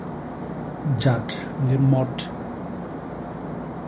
Jat li mot.